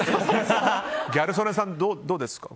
ギャル曽根さん、どうですか？